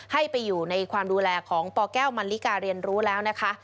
ให้ไปอยู่ในความดูแลของปแก้วมันลิกาเรียนรู้แล้วนะคะ